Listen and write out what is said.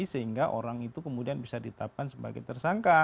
sehingga orang itu kemudian bisa ditetapkan sebagai tersangka